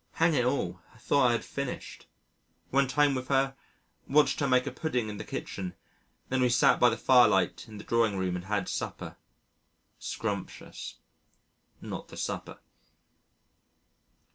Hang it all, I thought I had finished. Went home with her, watched her make a pudding in the kitchen, then we sat by the firelight in the drawing room and had supper. Scrumptious (not the supper).